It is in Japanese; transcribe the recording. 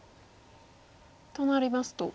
となりますと？